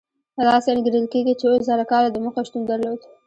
داسې انګېرل کېږي چې اوه زره کاله دمخه شتون درلود.